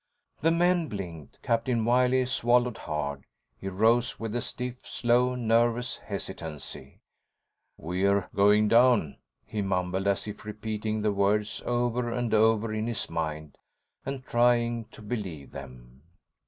The men blinked. Captain Wiley swallowed hard. He rose with a stiff, slow, nervous hesitancy. "We're going down," he mumbled, as if repeating the words over and over in his mind and trying to believe them.